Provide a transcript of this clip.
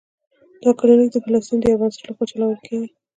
دا کلینک د فلسطین د یو بنسټ له خوا چلول کیږي.